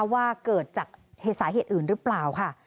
ว่าเกิดจากสาเหตุอื่นหรือเปล่าค่ะ